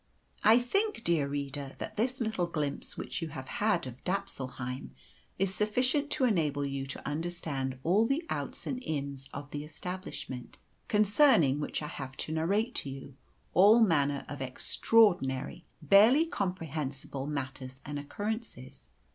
I think, dear reader, that this little glimpse which you have had of Dapsulheim is sufficient to enable you to understand all the outs and ins of the establishment, concerning which I have to narrate to you all manner of extraordinary, barely comprehensible, matters and occurrences.